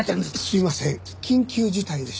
すいません緊急事態でして。